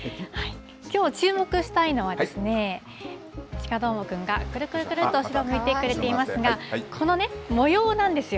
きょう、注目したいのは、鹿どーもくんがくるくるくるっと後ろを向いてくれていますが、このね、模様なんですよ。